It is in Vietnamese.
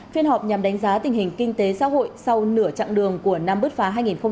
phiên họp nhằm đánh giá tình hình kinh tế xã hội sau nửa chặng đường của năm bứt phá hai nghìn hai mươi ba